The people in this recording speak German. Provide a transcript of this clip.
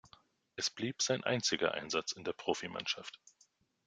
Es blieb sein einziger Einsatz in der Profimannschaft.